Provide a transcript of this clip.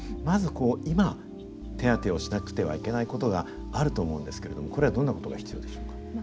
まずこう今手当てをしなくてはいけないことがあると思うんですけれどもこれはどんなことが必要でしょうか。